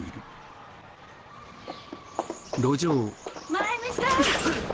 真弓さん。